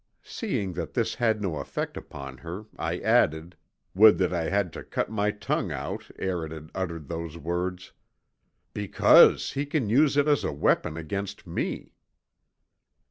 Seeing that this had no effect upon her, I added would that I had cut my tongue out ere it had uttered those words! "because he can use it as a weapon against me."